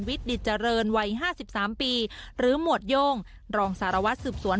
วิทย์ดิจเจริญวัยห้าสิบสามปีหรือหมวดโย่งรองสารวัสสืบสวน